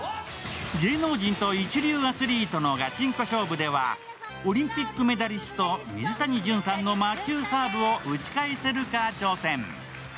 芸能人と一流アスリートのガチンコ勝負ではオリンピックメダリスト、水谷隼さんの魔球サーブを打ち返せるか挑戦。